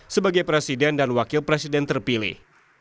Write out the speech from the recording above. sebagai presiden dan wakil presiden terpilih